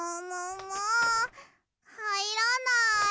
はいらない。